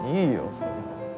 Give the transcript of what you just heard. そんなの。